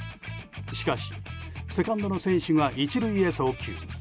しかし、セカンドの選手が１塁へ送球。